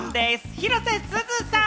広瀬すずさん。